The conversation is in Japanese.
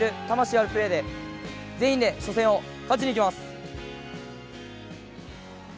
あるプレーで全員で初戦を勝ちにいきます。